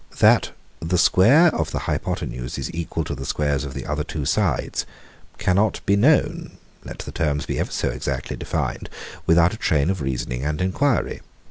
That the square of the hypothenuse is equal to the squares of the other two sides, cannot be known, let the terms be ever so exactly defined, without a train of reasoning and enquiry.